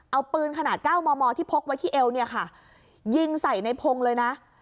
เอาปืนขนาด๙มมที่พกไว้ที่เอวเนี่ยค่ะยิงใส่ในพงศ์เลยนะ